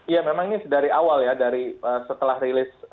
ya memang ini dari awal ya dari setelah rilis